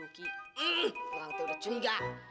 loh ini udah cungga